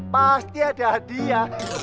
pasti ada dia